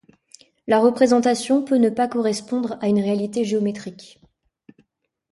La représentation peut ne pas correspondre à une réalité géométrique.